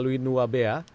oh itu apa